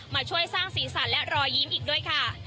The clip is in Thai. มาช่วยสร้างสีสันและรอยยิ้มอีกด้วยค่ะ